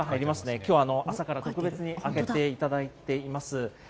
きょうは朝から特別に開けていただいています。